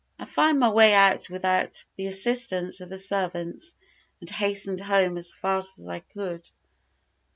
I found my way out without the assistance of the servants, and hastened home as fast as I could.